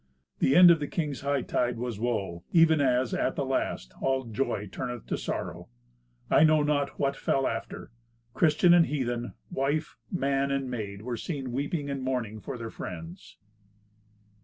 The end of the king's hightide was woe, even as, at the last, all joy turneth to sorrow. I know not what fell after. Christian and heathen, wife, man, and maid, were seen weeping and mourning for their friends.